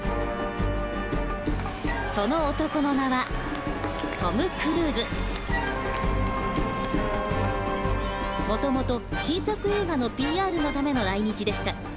その男の名はもともと新作映画のＰＲのための来日でした。